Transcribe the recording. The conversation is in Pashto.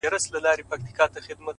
• له اورنګه یې عبرت نه وو اخیستی,